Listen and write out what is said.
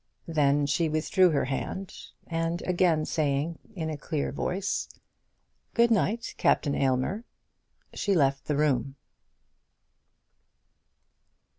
Then she withdrew her hand, and again saying, in a clear voice, "Good night, Captain Aylmer," she left the room.